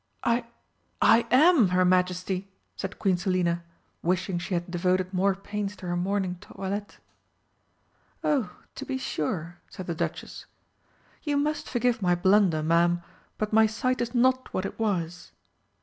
"I I am her Majesty!" said Queen Selina, wishing she had devoted more pains to her morning toilet. "Oh, to be sure," said the Duchess. "You must forgive my blunder, Ma'am, but my sight is not what it was."